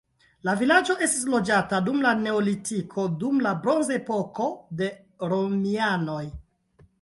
La vilaĝo estis loĝata dum la neolitiko, dum la bronzepoko, de romianoj.